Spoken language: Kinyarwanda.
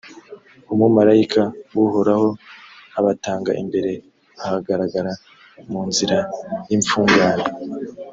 umumalayika w’uhoraho abatanga imbere, ahagarara mu nzira y’imfungane.